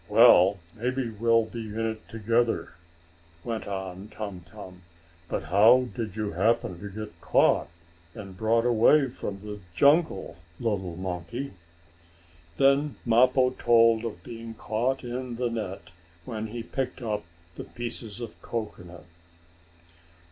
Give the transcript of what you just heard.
"Well, maybe we'll be in it together," went on Tum Tum. "But how did you happen to get caught, and brought away from the jungle, little monkey?" Then Mappo told of being caught in the net when he picked up the pieces of cocoanut.